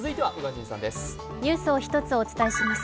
ニュースを１つお伝えします。